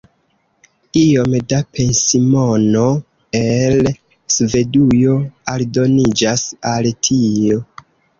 Iom da pensimono el Svedujo aldoniĝas al tio.